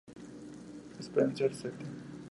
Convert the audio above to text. Spenser St.